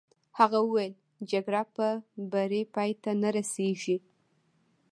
هغه وویل: جګړه په بري پای ته نه رسېږي.